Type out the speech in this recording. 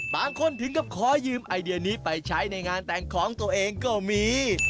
ถึงกับขอยืมไอเดียนี้ไปใช้ในงานแต่งของตัวเองก็มี